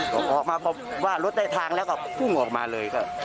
พอออกมาพบว่ารถได้ทางแล้วก็พุ่งออกมาเลย